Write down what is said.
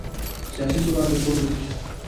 سیاسي ثبات د سولې نتیجه ده